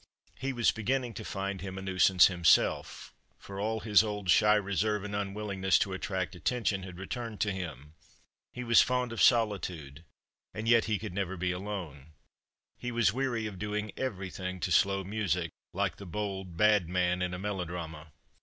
He was beginning to find him a nuisance himself, for all his old shy reserve and unwillingness to attract attention had returned to him; he was fond of solitude, and yet he could never be alone; he was weary of doing everything to slow music, like the bold, bad man in a melodrama.